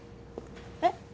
えっ？